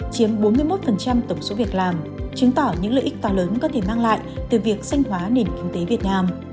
chiếm bốn mươi một tổng số việc làm chứng tỏ những lợi ích to lớn có thể mang lại từ việc sanh hóa nền kinh tế việt nam